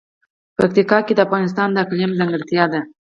پکتیکا د افغانستان د اقلیم ځانګړتیا ده.